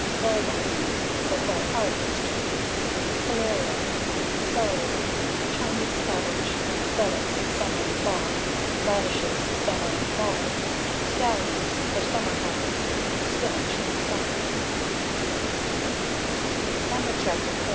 Bulb Onions (for fall harvest) Celeriac Celery Chinese cabbage Lettuce (summer and fall) Radishes (summer and fall) Scallions (for summer harvest) Spinach (summer) Chapter 5 How to